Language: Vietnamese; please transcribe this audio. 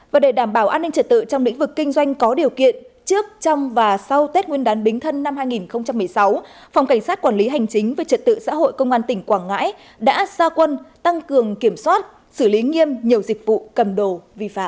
và để đảm bảo an ninh trật tự trong lĩnh vực kinh doanh có điều kiện trước trong và sau tết nguyên đán bính thân năm hai nghìn một mươi sáu phòng cảnh sát quản lý hành chính về trật tự xã hội công an tỉnh quảng ngãi đã xa quân tăng cường kiểm soát xử lý nghiêm nhiều dịch vụ cầm đồ vi phạm